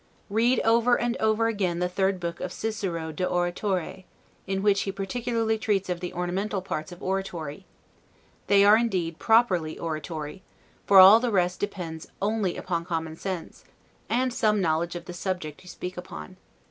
Read over and over again the third book of 'Cicero de Oratore', in which he particularly treats of the ornamental parts of oratory; they are indeed properly oratory, for all the rest depends only upon common sense, and some knowledge of the subject you speak upon.